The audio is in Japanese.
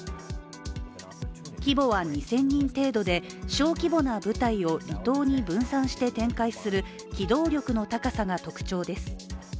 規模は２０００人程度で、小規模な部隊を離島に分散して展開する機動力の高さが特長です。